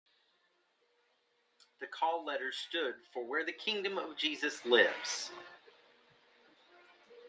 The call letters stood for Where the Kingdom of Jesus Lives.